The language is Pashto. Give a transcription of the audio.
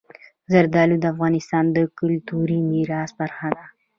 زردالو د افغانستان د کلتوري میراث برخه ده.